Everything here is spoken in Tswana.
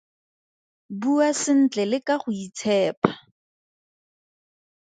Bua sentle le ka go itshepa.